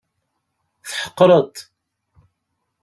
Tḥeqreḍ-t.